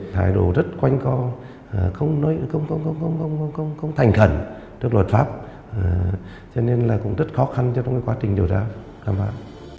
thái độ rất quanh con không thành thần trước luật pháp cho nên là cũng rất khó khăn trong cái quá trình điều tra đảm bảo